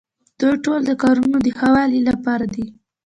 دوی ټول د کارونو د ښه والي لپاره دي.